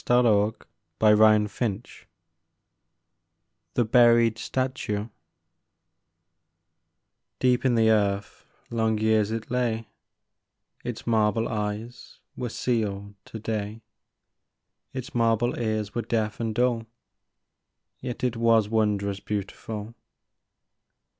THE BURIED STATUE 47 THE BURIED STATUE DEEP in the earth long years it lay; Its marble eyes were sealed to day, Its marble ears were deaf and dull, Yet it was wondrous beautiful.